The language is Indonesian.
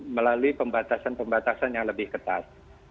melalui pembatasan pembatasan yang lebih ketat